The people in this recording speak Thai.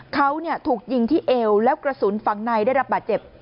เขาถูกยิงที่เอวแล้วกระสุนฝั่งในได้รับบาดเจ็บ